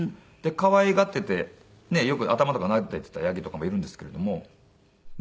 可愛がっていてよく頭とかなでていたヤギとかもいるんですけれども。